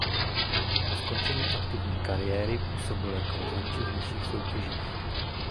Po skončení aktivní kariéry působil jako rozhodčí v nižších soutěžích.